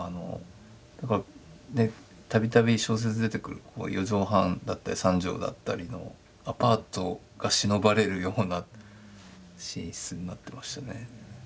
度々小説に出てくる４畳半だったり３畳だったりのアパートがしのばれるような寝室になってましたね。